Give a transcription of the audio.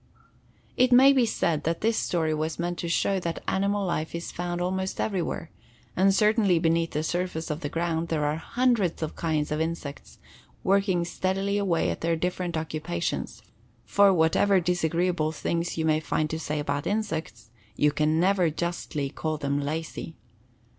It may be said that this story was meant to show that animal life is found almost everywhere, and certainly beneath the surface of the ground there are hundreds of kinds of insects working steadily away at their different occupations; for whatever disagreeable things you may find to say about insects, you can never justly call them lazy.